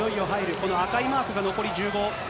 この赤いマークが残り１５。